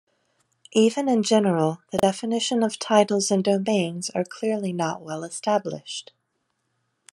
Even in general, the definition of titles and domains are clearly not well-established.